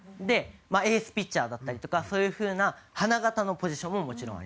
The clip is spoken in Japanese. エースピッチャーだったりとかそういう風な花形のポジションももちろんあります。